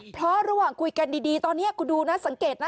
เพราะระหว่างคุยกันดีตอนนี้คุณดูนะสังเกตนะ